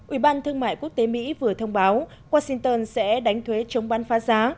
ủy ban thương mại quốc tế mỹ vừa thông báo washington sẽ đánh thuế chống bán phá giá